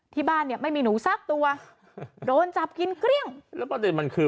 ที่บ้านเนี่ยไม่มีหนูสักตัวโดนจับกินเกลี้ยงแล้วประเด็นมันคือ